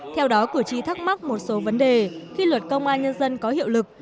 theo đó cử tri thắc mắc một số vấn đề khi luật công an nhân dân có hiệu lực